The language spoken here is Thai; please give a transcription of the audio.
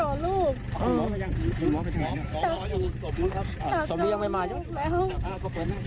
ถ้ากอร่อยทุ่มนุ๊กครับ